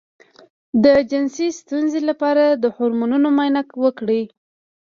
د جنسي ستونزې لپاره د هورمونونو معاینه وکړئ